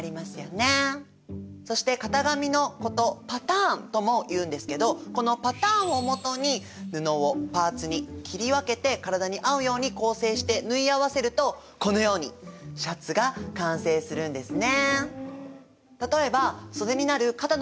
そして型紙のことパターンともいうんですけどこのパターンをもとに布をパーツに切り分けてからだに合うように構成して縫い合わせるとこのようにシャツが完成するんですね。